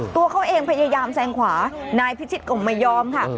ตัวเขาเองพยายามแซงขวานายพิชิตก็ไม่ยอมค่ะ